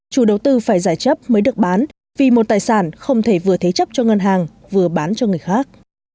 chủ đầu tư phải giải chấp mới được bán vì một tài sản không thể vừa thế chấp cho ngân hàng vừa bán cho người khác